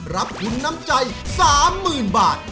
รับทุนน้ำใจ๓๐๐๐บาท